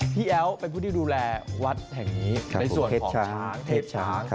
แอ้วเป็นผู้ที่ดูแลวัดแห่งนี้ในส่วนของช้างเทพช้าง